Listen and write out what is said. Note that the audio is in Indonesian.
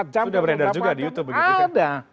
empat jam empat jam ada